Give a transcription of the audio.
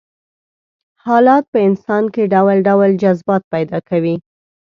حالات په انسان کې ډول ډول جذبات پيدا کوي.